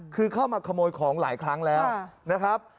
คือเข้ามาขโมยของหลายครั้งแล้วนะครับ